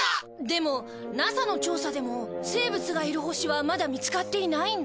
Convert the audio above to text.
でもＮＡＳＡの調査でも生物がいる星はまだ見つかっていないんだ。